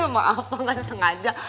maaf lah sengaja